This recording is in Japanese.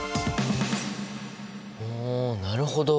おなるほど！